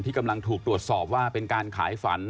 กำลังถูกตรวจสอบว่าเป็นการขายฝัน